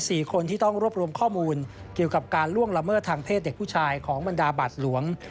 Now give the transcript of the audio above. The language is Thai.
คนที่ต้องรวบรวมข้อมูลเกี่ยวกับการล่วงละเมิดทางเพศเด็กผู้ชายของบรรดาบัตรหลวง